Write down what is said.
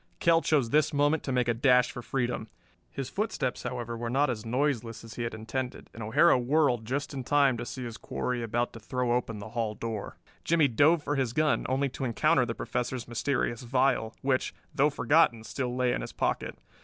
Kell chose this moment to make a dash for freedom. His footsteps, however, were not as noiseless as he had intended, and O'Hara whirled just in time to see his quarry about to throw open the hall door. Jimmie dove for his gun, only to encounter the Professor's mysterious vial, which, though forgotten, still lay in his pocket.